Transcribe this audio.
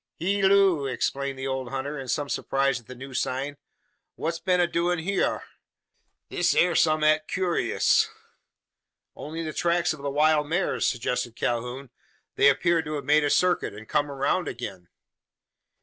"Hilloo!" exclaimed the old hunter, in some surprise at the new sign. "What's been a doin' hyur? This air some 'at kewrious." "Only the tracks of the wild mares!" suggested Calhoun. "They appear to have made a circuit, and come round again?"